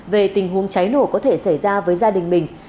về tình huống cháy nổ có thể xảy ra với gia đình mình